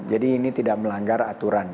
jadi ini tidak melanggar aturan